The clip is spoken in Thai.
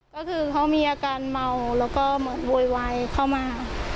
ก็คือเขามีอาการเมาแล้วก็เหมือนโวยวายเข้ามา